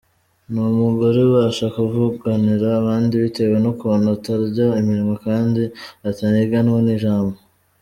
Ni umugore ubasha kuvuganira abandi bitewe n’ukuntu atarya iminwa kandi ataniganwa ijambo.